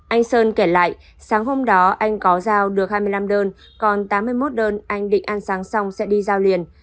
anh sơn kể lại sáng hôm đó anh có giao được hai mươi năm đơn còn tám mươi một đơn anh định an sáng xong sẽ đi giao liền